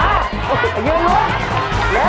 หยุดนะ